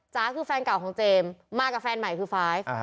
จ๋าคือแฟนเก่าของเจมส์มากับแฟนใหม่คือไฟล์